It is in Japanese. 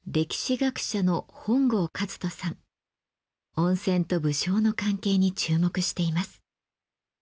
温泉と武将の関係に注目しています。